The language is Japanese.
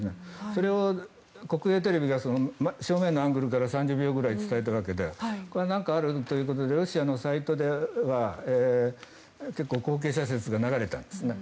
それを国営テレビが正面のアングルから３０秒ぐらい伝えたわけでこれは何かあるということでロシアのサイトでは結構後継者説が流れたんですね。